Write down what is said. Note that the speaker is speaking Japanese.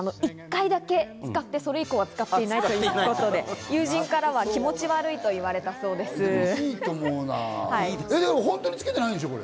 １回だけ使って、それ以降は使っていないということで、友人からは気持ち悪いと言われた本当につけてないでしょう。